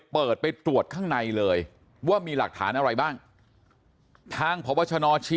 เปิดไปตรวจข้างในเลยว่ามีหลักฐานอะไรบ้างทางพบชนชี้